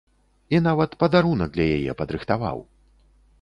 І нават падарунак для яе падрыхтаваў!